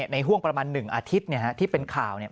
ในห่วงประมาณ๑อาทิตย์ที่เป็นข่าว